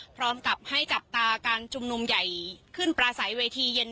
พร้อมกับให้จับตาการชุมนุมใหญ่ขึ้นปลาใสเวทีเย็น